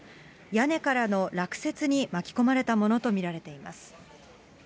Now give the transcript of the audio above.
屋根からの落雪に巻き込まれたものと見られています。